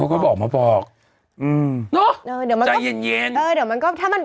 เดี๋ยวเขาก็บอกมาบอกใจเย็น